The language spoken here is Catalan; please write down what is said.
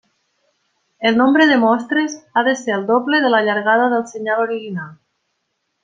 El nombre de mostres ha de ser el doble de la llargada del senyal original.